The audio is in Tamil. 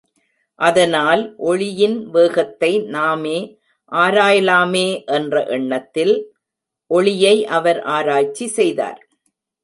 அதனால், ஒளியின் வேகத்தை நாமே ஆராய்லாமே என்ற எண்ணத்தில் ஒளியை அவர் ஆராய்ச்சி செய்தார்!